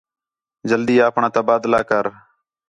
جلدی اپݨاں تبادلہ کر